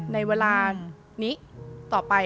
ในเวลานี้ต่อไป